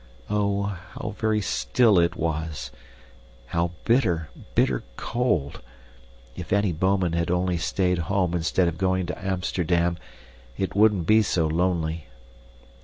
oh, how very still it was how bitter, bitter cold! If Annie Bouman had only stayed home instead of going to Amsterdam, it wouldn't be so lonely.